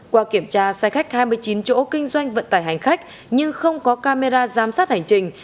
qua kiểm tra xe khách hai mươi chín chỗ kinh doanh vận tải hành khách nhưng không có camera giám sát hành trình